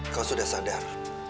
kau sudah sadar